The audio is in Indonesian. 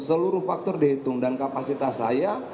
seluruh faktor dihitung dan kapasitas saya